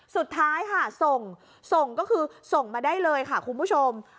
สุดท้ายค่ะส่งส่งก็คือส่งมาได้เลยค่ะคุณผู้ชม